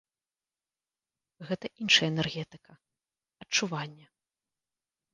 Гэта іншая энергетыка, адчуванне.